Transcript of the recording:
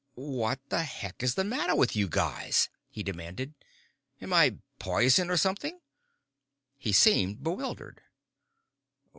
"What the heck is the matter with you guys?" he demanded. "Am I poison, or something?" He seemed bewildered.